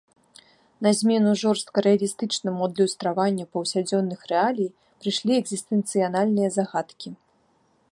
На змену жорстка рэалістычнаму адлюстраванню паўсядзённых рэалій прыйшлі экзістэнцыяльныя загадкі.